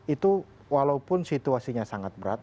itu walaupun situasinya sangat berat